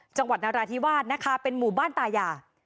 จังหวัดนราธิวาสนะคะเป็นหมู่บ้านตายา